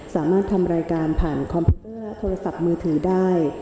ทำรายการผ่านคอมพิวเตอร์โทรศัพท์มือถือได้